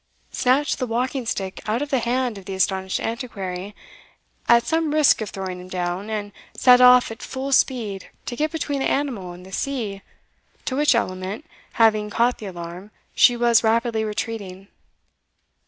snatched the walking stick out of the hand of the astonished Antiquary, at some risk of throwing him down, and set off at full speed to get between the animal and the sea, to which element, having caught the alarm, she was rapidly retreating.